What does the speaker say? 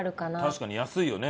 確かに安いよね。